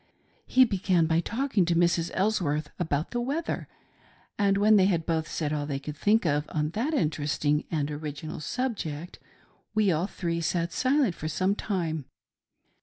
He began by talking to Mrs. Elsworth about the weather, and when they had both said aU they could think of on that interesting and original subject, we all three sat silent for some time.